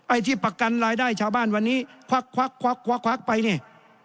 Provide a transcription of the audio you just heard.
ไอ้ที่ประกันรายได้ชาวบ้านวันนี้ควักควักไปเนี่ย